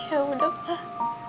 ah ya udah pak